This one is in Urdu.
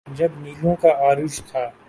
جب نیلو کا عروج تھا۔